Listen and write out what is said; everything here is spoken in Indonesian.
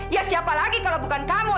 ya siapa lagi kalau bukan kamu